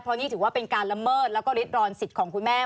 เพราะนี่ถือว่าเป็นการละเมิดแล้วก็ริดรอนสิทธิ์ของคุณแม่